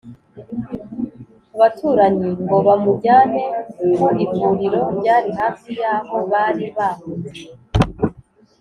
abaturanyi ngo bamujyane ku ivuriro ryari hafi y'aho bari bahungiye